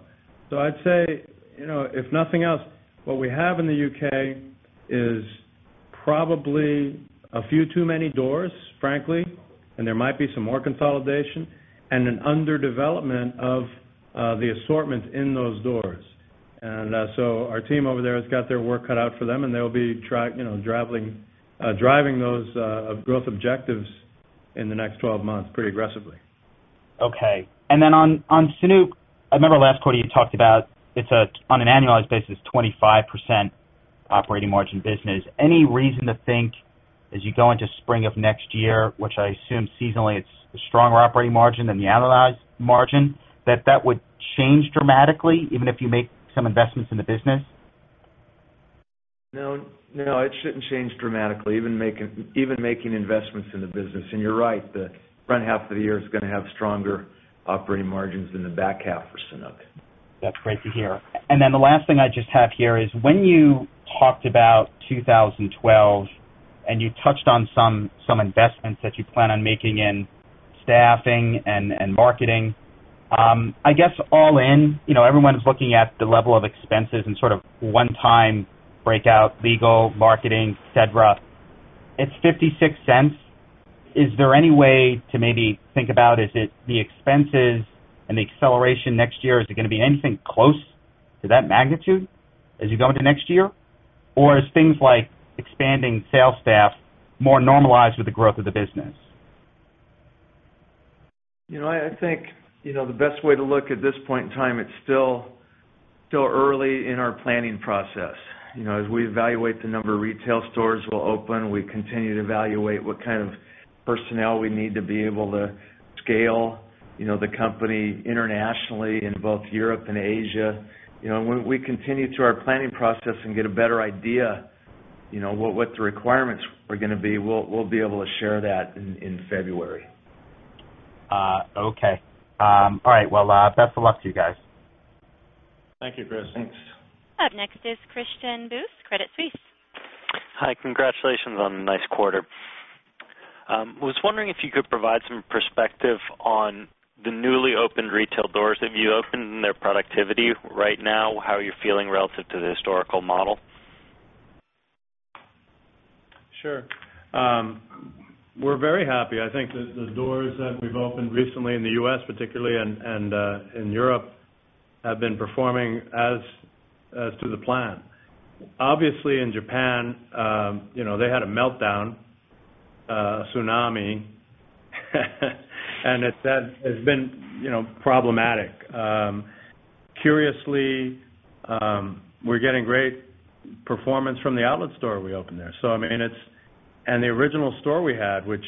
If nothing else, what we have in the U.K. is probably a few too many doors, frankly, and there might be some more consolidation and an underdevelopment of the assortments in those doors. Our team over there has got their work cut out for them, and they'll be driving those growth objectives in the next 12 months pretty aggressively. Okay. On Sanuk, I remember last quarter you talked about it's on an annualized basis, 25% operating margin business. Any reason to think as you go into spring of next year, which I assume seasonally it's a stronger operating margin than the annualized margin, that that would change dramatically even if you make some investments in the business? No, no, it shouldn't change dramatically, even making investments in the business. You're right, the front half of the year is going to have stronger operating margins than the back half for Sanuk. That's great to hear. The last thing I just have here is when you talked about 2012 and you touched on some investments that you plan on making in staffing and marketing, I guess all in, you know, everyone's looking at the level of expenses and sort of one-time breakout, legal, marketing, etc. It's $0.56. Is there any way to maybe think about is it the expenses and the acceleration next year? Is it going to be anything close to that magnitude as you go into next year? Is things like expanding sales staff more normalized with the growth of the business? I think the best way to look at this point in time, it's still early in our planning process. As we evaluate the number of retail stores we'll open, we continue to evaluate what kind of personnel we need to be able to scale the company internationally in both Europe and Asia. We continue through our planning process and get a better idea what the requirements are going to be. We'll be able to share that in February. Okay. All right. Best of luck to you guys. Thank you, Chris. Thanks. Up next is Christian Buss, Credit Suisse. Hi, congratulations on a nice quarter. I was wondering if you could provide some perspective on the newly opened retail doors. Have you opened their productivity right now? How are you feeling relative to the historical model? Sure. We're very happy. I think the doors that we've opened recently in the U.S., particularly, and in Europe have been performing as to the plan. Obviously, in Japan, you know, they had a meltdown, a tsunami, and it has been problematic. Curiously, we're getting great performance from the outlet store we opened there. I mean, it's, and the original store we had, which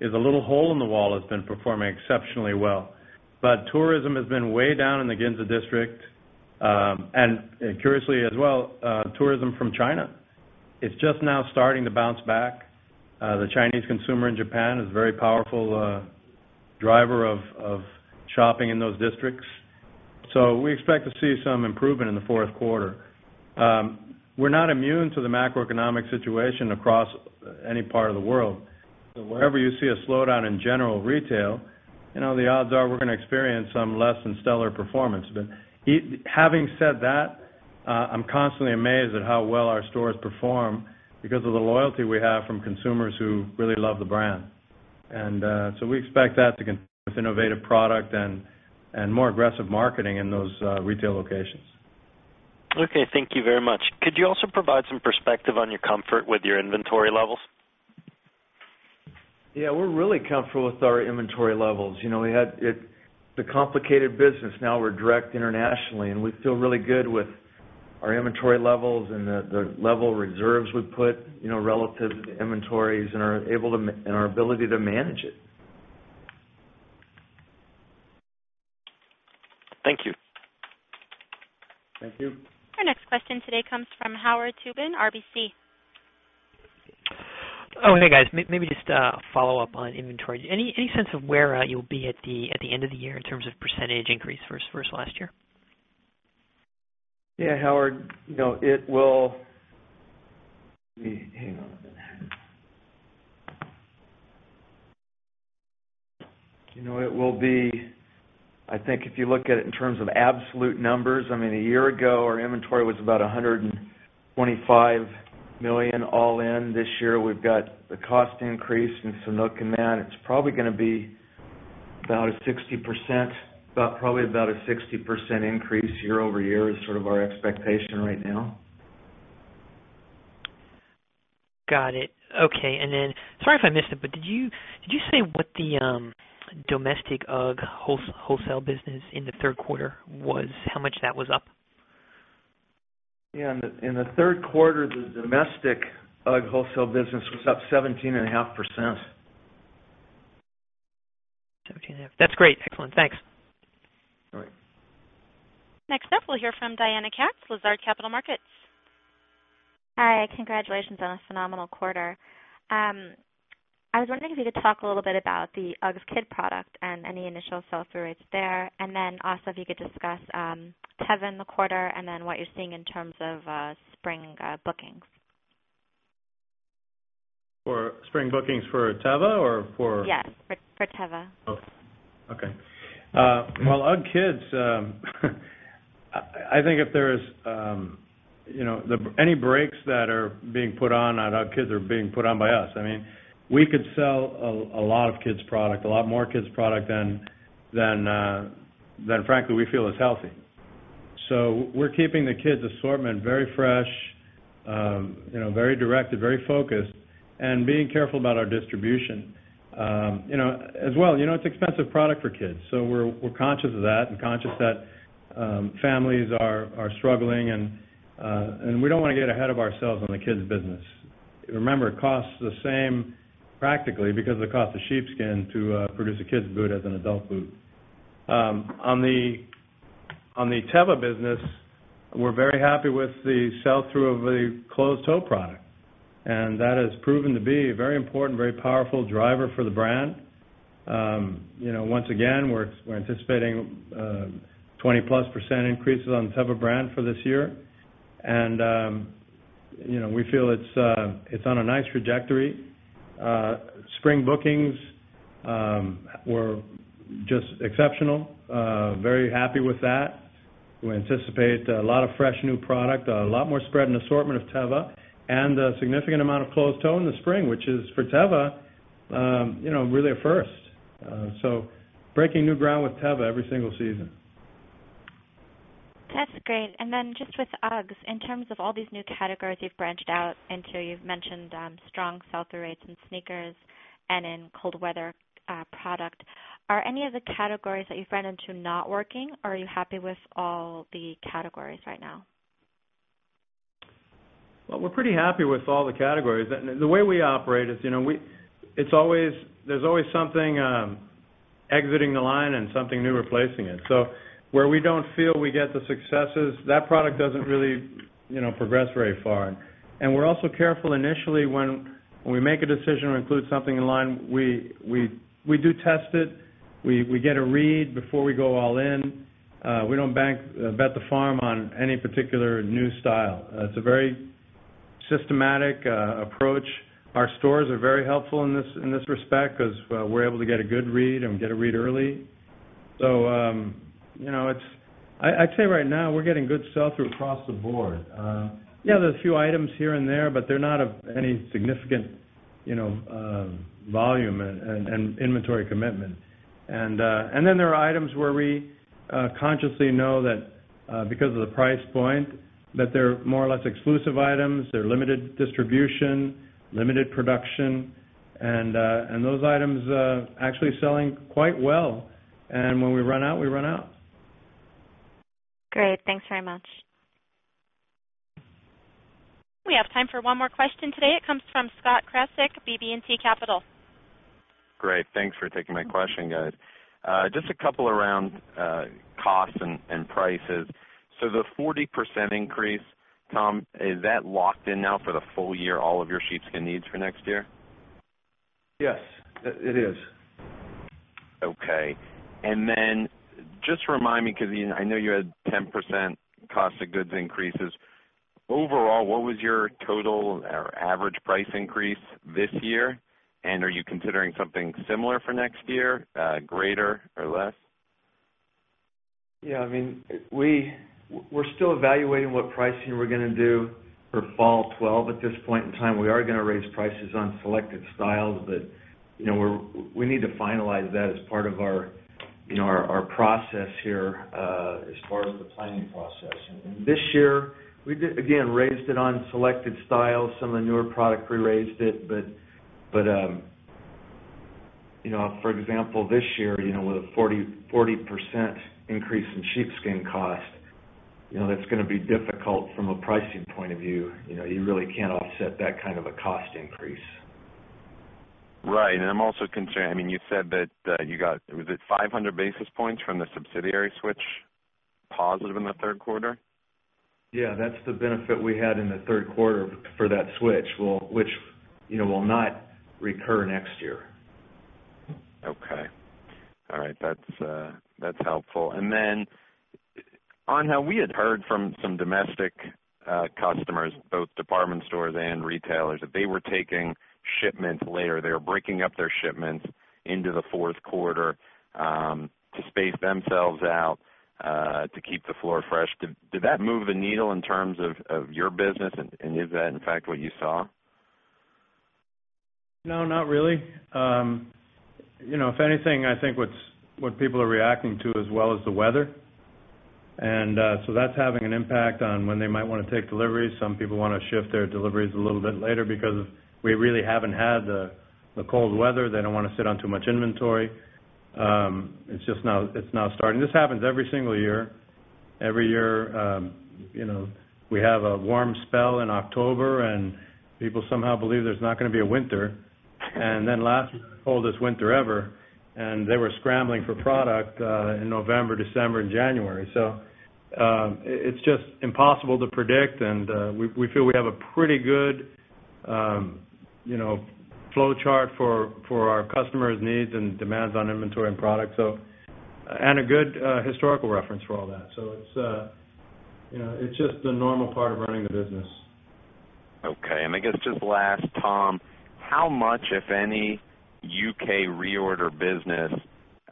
is a little hole in the wall, has been performing exceptionally well. Tourism has been way down in the Ginza district. Curiously, as well, tourism from China is just now starting to bounce back. The Chinese consumer in Japan is a very powerful driver of shopping in those districts. We expect to see some improvement in the fourth quarter. We're not immune to the macroeconomic situation across any part of the world. Wherever you see a slowdown in general retail, you know, the odds are we're going to experience some less than stellar performance. Having said that, I'm constantly amazed at how well our stores perform because of the loyalty we have from consumers who really love the brand. We expect that to continue with innovative product and more aggressive marketing in those retail locations. Okay, thank you very much. Could you also provide some perspective on your comfort with your inventory levels? Yeah, we're really comfortable with our inventory levels. We had the complicated business. Now we're direct internationally, and we feel really good with our inventory levels and the level of reserves we put, relative to inventories and our ability to manage it. Thank you. Thank you. Our next question today comes from Howard Tubin, RBC. Oh, hey guys, maybe just a follow-up on inventory. Any sense of where you'll be at the end of the year in terms of percentage increase versus last year? Yeah, Howard, you know, let me hang on a minute. You know, it will be, I think if you look at it in terms of absolute numbers, I mean, a year ago, our inventory was about $125 million all in. This year, we've got the cost increase and Sanuk in that. It's probably going to be about a 60% increase year-over-year is sort of our expectation right now. Got it. Okay. Sorry if I missed it, but did you say what the domestic UGG wholesale business in the third quarter was, how much that was up? Yeah, in the third quarter, the domestic UGG wholesale business was up 17.5%. 17.5%. That's great. Excellent. Thanks. All right. Next up, we'll hear from Diana Katz, Lazard Capital Markets. Hi, congratulations on a phenomenal quarter. I was wondering if you could talk a little bit about the UGG kid product and any initial sell-through rates there. If you could discuss Teva in the quarter and what you're seeing in terms of spring bookings. For spring bookings for Teva or for? Yes, for Teva. Okay. UGG kids, I think if there's, you know, any breaks that are being put on, UGG kids are being put on by us. I mean, we could sell a lot of kids' product, a lot more kids' product than, frankly, we feel is healthy. We're keeping the kids' assortment very fresh, very directed, very focused, and being careful about our distribution. You know, as well, it's expensive product for kids. We're conscious of that and conscious that families are struggling, and we don't want to get ahead of ourselves on the kids' business. Remember, it costs the same practically because of the cost of sheepskin to produce a kid's boot as an adult boot. On the Teva business, we're very happy with the sell-through of the closed-toe product. That has proven to be a very important, very powerful driver for the brand. You know, once again, we're anticipating 20+% increases on Teva brand for this year. We feel it's on a nice trajectory. Spring bookings were just exceptional. Very happy with that. We anticipate a lot of fresh new product, a lot more spread and assortment of Teva, and a significant amount of closed-toe in the spring, which is for Teva, you know, really a first. Breaking new ground with Teva every single season. That's great. Then just with UGG, in terms of all these new categories you've branched out into, you've mentioned strong sell-through rates in sneakers and in cold weather product. Are any of the categories that you've run into not working, or are you happy with all the categories right now? We are pretty happy with all the categories. The way we operate is, you know, there's always something exiting the line and something new replacing it. Where we don't feel we get the successes, that product doesn't really, you know, progress very far. We are also careful initially when we make a decision to include something in line, we do test it. We get a read before we go all in. We don't bet the farm on any particular new style. It's a very systematic approach. Our stores are very helpful in this respect because we're able to get a good read and get a read early. I'd say right now we're getting good sell-through across the board. There are a few items here and there, but they're not of any significant volume and inventory commitment. There are items where we consciously know that because of the price point, they're more or less exclusive items, they're limited distribution, limited production, and those items are actually selling quite well. When we run out, we run out. Great, thanks very much. We have time for one more question today. It comes from Scott Krasik, BB&T Capital. Great, thanks for taking my question, guys. Just a couple around costs and prices. The 40% increase, Tom, is that locked in now for the full year, all of your sheepskin needs for next year? Yes, it is. Okay. Just remind me, because I know you had 10% cost of goods increases. Overall, what was your total or average price increase this year? Are you considering something similar for next year, greater or less? Yeah, I mean, we're still evaluating what pricing we're going to do for fall 2012 at this point in time. We are going to raise prices on selected styles, but we need to finalize that as part of our process here as far as the planning process. This year, we did, again, raise it on selected styles. Some of the newer products, we raised it. For example, this year, with a 40% increase in sheepskin cost, that's going to be difficult from a pricing point of view. You really can't offset that kind of a cost increase. Right. I'm also concerned, I mean, you said that you got, was it 500 basis points from the subsidiary switch positive in the third quarter? Yeah, that's the benefit we had in the third quarter for that switch, which, you know, will not recur next year. Okay. All right. That's helpful. On how we had heard from some domestic customers, both department stores and retailers, that they were taking shipments later, they were breaking up their shipments into the fourth quarter to space themselves out to keep the floor fresh. Did that move the needle in terms of your business? Is that, in fact, what you saw? No, not really. You know, if anything, I think what people are reacting to as well is the weather. That is having an impact on when they might want to take deliveries. Some people want to shift their deliveries a little bit later because we really haven't had the cold weather. They don't want to sit on too much inventory. It's just now starting. This happens every single year. Every year, you know, we have a warm spell in October, and people somehow believe there's not going to be a winter. Last year, coldest winter ever. They were scrambling for product in November, December, and January. It's just impossible to predict. We feel we have a pretty good flow chart for our customers' needs and demands on inventory and products, and a good historical reference for all that. It's just the normal part of running the business. Okay. I guess just last, Tom, how much, if any, U.K. reorder business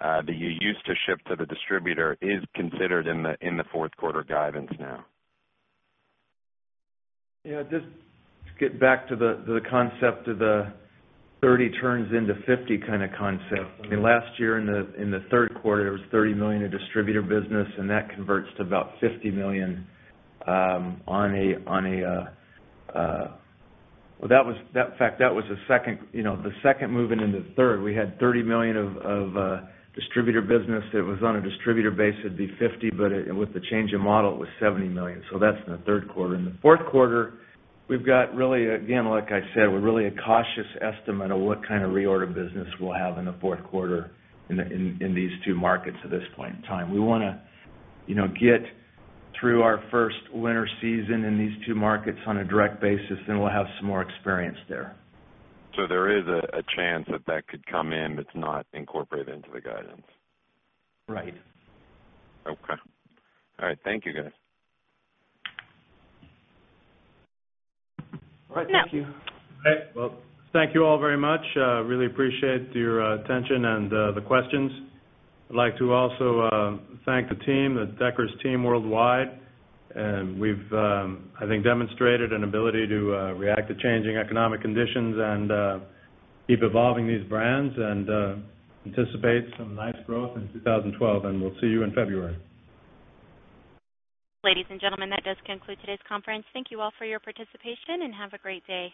that you used to ship to the distributor is considered in the fourth quarter guidance now? Yeah, just to get back to the concept of the 30 turns into 50 kind of concept. Last year in the third quarter, there was $30 million in distributor business, and that converts to about $50 million on a, that was, in fact, that was the second, you know, the second moving into the third. We had $30 million of distributor business. It was on a distributor basis. It'd be $50 million, but with the change in model, it was $70 million. That's in the third quarter. In the fourth quarter, we've got really, again, like I said, we're really a cautious estimate of what kind of reorder business we'll have in the fourth quarter in these two markets at this point in time. We want to get through our first winter season in these two markets on a direct basis, then we'll have some more experience there. There is a chance that that could come in. It's not incorporated into the guidance. Right. Okay. All right. Thank you, guys. All right, thank you. All right. Thank you all very much. Really appreciate your attention and the questions. I'd like to also thank the team, the Deckers team worldwide. I think we've demonstrated an ability to react to changing economic conditions and keep evolving these brands and anticipate some nice growth in 2012. We'll see you in February. Ladies and gentlemen, that does conclude today's conference. Thank you all for your participation and have a great day.